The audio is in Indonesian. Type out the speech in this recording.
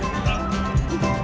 hai hasil bertimbang